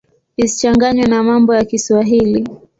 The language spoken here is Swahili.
Isichanganywe na mambo ya Kiswahili.